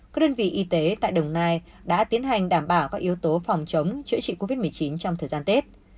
các đơn vị y tế tại đồng nai đã tiến hành đảm bảo các yếu tố phòng chống chữa covid một mươi chín trong thời gian tết